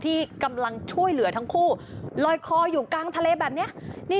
ที่กำลังช่วยเหลือทั้งคู่ลอยคออยู่กลางทะเลแบบนี้